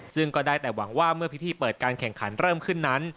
ซึ่งก็ได้แต่หวังว่าเมื่อพิธีเปิดการแข่งขันเริ่มขึ้นนั้น